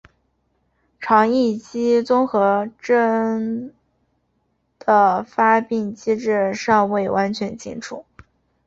肠易激综合征的发病机制尚未完全清楚。